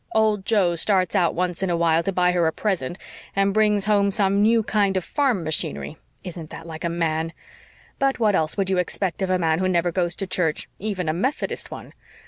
Old Joe starts out once in a while to buy her a present and brings home some new kind of farm machinery. Isn't that like a man? But what else would you expect of a man who never goes to church, even a Methodist one?